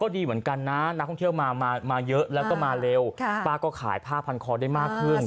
ที่มันเหลือกรองเก็บอยู่ในตู้